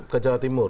ke jawa timur